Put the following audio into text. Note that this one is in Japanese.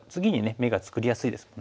眼が作りやすいですもんね。